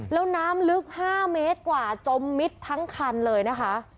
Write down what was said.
แล้วน้ำลึก๕เมตรกว่าจมมิดทั้งคันเลยนะคะ